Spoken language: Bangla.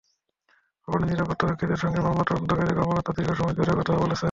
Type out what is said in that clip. ভবনের নিরাপত্তারক্ষীদের সঙ্গে মামলার তদন্তকারী কর্মকর্তারা দীর্ঘ সময় ধরে কথা বলেছেন।